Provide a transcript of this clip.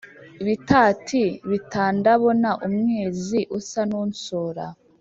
bitati bitndabona umwezi usa n ' unsura